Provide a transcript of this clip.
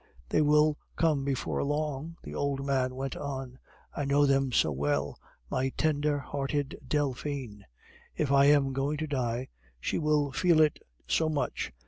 "They will come before long," the old man went on. "I know them so well. My tender hearted Delphine! If I am going to die, she will feel it so much!